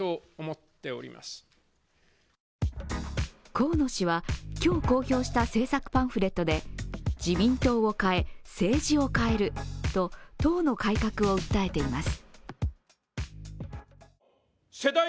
河野氏は今日、公表した政策パンフレットで「自民党を変え、政治を変える」と党の改革を訴えています。